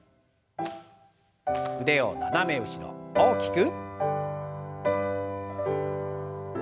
腕を斜め後ろ大きく。